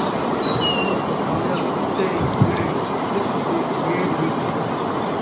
اُوہ بقایا پَتّے جیڑھے سِپ دے کھیݙ وِچ